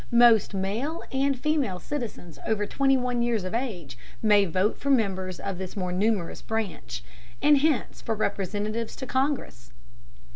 Most male and female citizens over twenty one years of age may vote for members of this more numerous branch, and hence for Representatives to Congress.